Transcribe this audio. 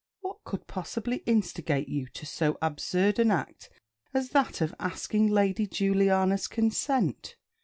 "What could possibly instigate you to so absurd an act as that of asking Lady Juliana's consent?